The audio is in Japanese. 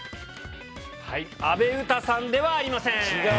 阿部詩さんではありません。